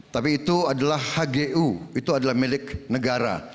tapi itu adalah hgu itu adalah milik negara